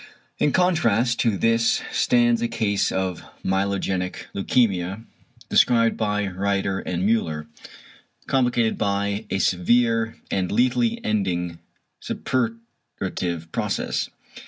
In contrast to this stands a case of myelogenic leukæmia described by Rieder and Müller, complicated by a severe and lethally ending suppurative process.